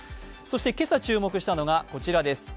今朝注目したのがこちらです。